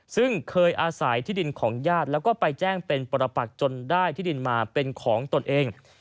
ซึ่งเคยอาศัยที่ดินของญาติแล้วก็ไปแจ้งเป็นปรปักจนได้ที่ดินมาเป็นของตนเอง